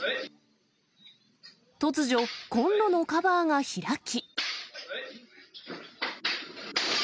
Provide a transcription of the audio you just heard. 突如、コンロのカバーが開き。